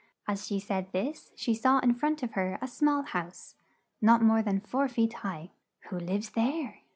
As she said this, she saw in front of her, a small house, not more than four feet high. "Who lives there?"